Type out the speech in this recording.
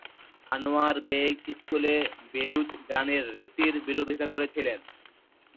আনোয়ার বেগ স্কুলে বেলুচ গানের রীতির বিরোধিতা করেছিলেন।